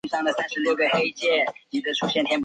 霍治曼县是美国堪萨斯州西南部的一个县。